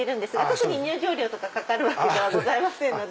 特に入場料とかかかるわけではございませんので。